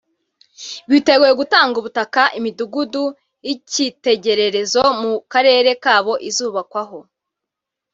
bitegure gutanga ubutaka imidugudu y’ikitegererezo mu karere kabo izubakwaho